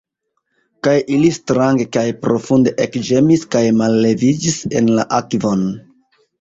Kaj ili strange kaj profunde ekĝemis kaj malleviĝis en la akvon.